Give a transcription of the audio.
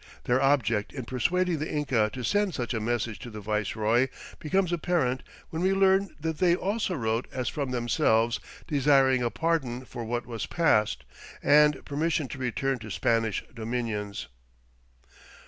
Their object in persuading the Inca to send such a message to the viceroy becomes apparent when we learn that they "also wrote as from themselves desiring a pardon for what was past" and permission to return to Spanish dominions.